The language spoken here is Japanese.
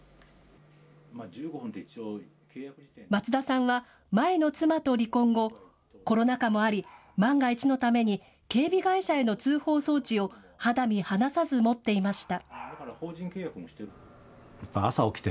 松田さんは前の妻と離婚後、コロナ禍もあり、万が一のために警備会社への通報装置を肌身離さず持っていました。